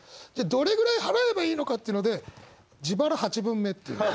どれぐらい払えばいいのかっていうので「自腹八分目」っていう。